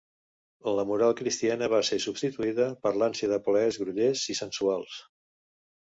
La moral cristiana va ser substituïda per l'ànsia de plaers grollers i sensuals.